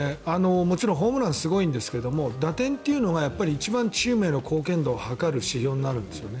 もちろんホームランすごいんですけど打点というのがやっぱり一番チームへの貢献度を測る指標になるんですよね。